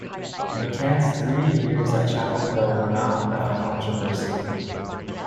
McCants' three years at Chapel Hill were not without controversy.